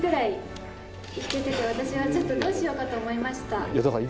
私はちょっとどうしようかと思いました。